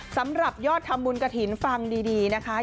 สำหรับยอดทำบุญกระถิ่นฟังดีนะคะ